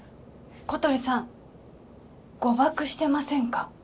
小鳥さん誤爆してませんか？